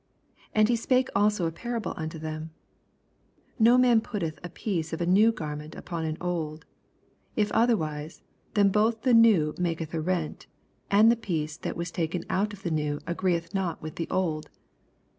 . 89 And he spake also a parable bate them i No man putteth a piece of a new garment upon an old ; if otherwise, then both tne new maketh a rent, and the piece that was taken out of the new Sffreeth not with the old.